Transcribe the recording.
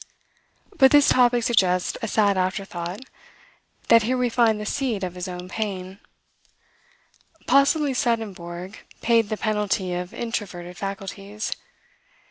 But this topic suggests a sad afterthought, that here we find the seat of his own pain. Possibly Swedenborg paid the penalty of introverted faculties.